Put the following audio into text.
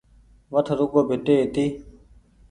وٺ رگون ڀيٽي هيتي